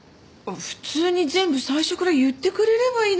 普通に全部最初から言ってくれればいいのに。